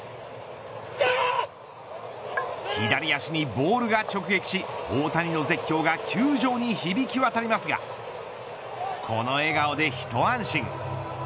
左足にボールが直撃し大谷の絶叫が球場に響き渡りますがこの笑顔で一安心。